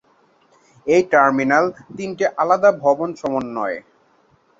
এই টার্মিনাল তিনটি আলাদা ভবন সমন্বয়ে।